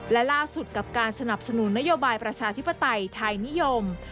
และล่าสุดกับการสนับสนุนนโยบายประชาธิปไตยไทยนิยม